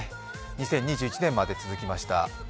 ２０２１年まで続きました。